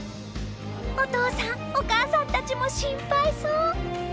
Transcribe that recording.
お父さんお母さんたちも心配そう。